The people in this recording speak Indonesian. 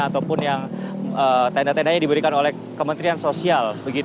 ataupun yang tenda tendanya diberikan oleh kementerian sosial